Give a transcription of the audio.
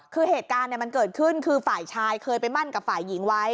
คือเหตุการณ์มันเกิดขึ้นคือฝ่ายชายเคยไปมั่นกับฝ่ายหญิงไว้